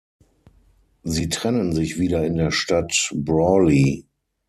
Sie trennen sich wieder in der Stadt Brawley.